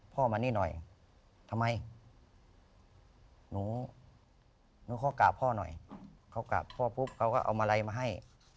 มานี่หน่อยทำไมหนูขอกราบพ่อหน่อยเขากราบพ่อปุ๊บเขาก็เอามาลัยมาให้